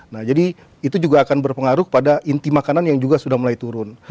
nah jadi itu juga akan berpengaruh kepada inti makanan yang juga sudah mulai turun